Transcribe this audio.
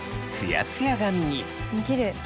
きれい。